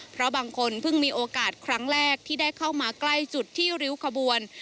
เพราะบางคนเพิ่งมีโอกาสครั้งแรกที่ได้เข้ามาใกล้จุดที่ริ้วขบวน